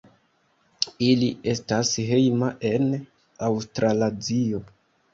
Ili estas hejma en Aŭstralazio.